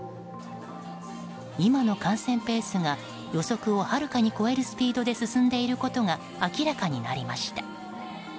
今の感染ペースが予測をはるかに超えるスピードで進んでいることが明らかになりました。